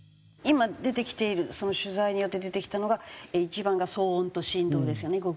今出てきている取材によって出てきたのが一番が騒音と振動ですよね